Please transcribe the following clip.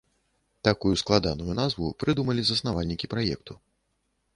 Такую складаную назву прыдумалі заснавальнікі праекту.